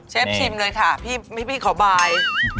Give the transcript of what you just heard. ชิมเลยค่ะพี่ขอบาย